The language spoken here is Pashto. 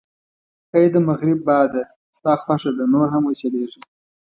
اې د مغرب باده، ستا خوښه ده، نور هم و چلېږه.